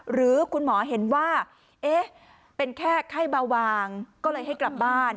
หรือคุณหมอเห็นว่าเอ๊ะเป็นแค่ไข้เบาบางก็เลยให้กลับบ้าน